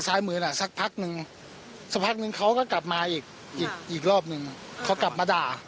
จับแต่ความได้ไหม